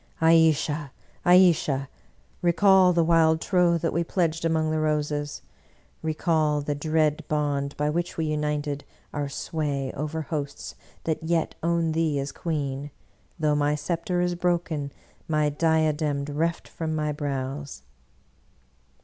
Ayesha, Ayesha! recall the wild troth that we pledged among the roses; recall the dread bond by which we united our sway over hosts that yet own thee as queen, though my scepter is broken, my diadem reft from my brows!